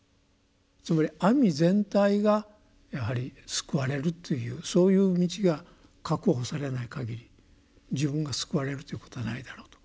つまり網全体がやはり救われるというそういう道が確保されないかぎり自分が救われるということはないだろうと。